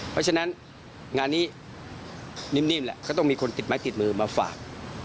เพราะฉะนั้นงานนี้นิ่มแหละก็ต้องมีคนติดไม้ติดมือมาฝาก